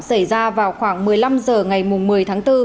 xảy ra vào khoảng một mươi năm h ngày một mươi tháng bốn